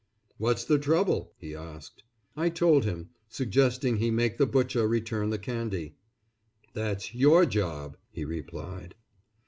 "What's the trouble?" he asked. I told him, suggesting he make the Butcher return the candy. "That's your job," he replied.